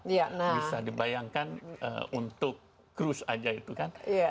bisa dibayangkan untuk cruise aja itu kan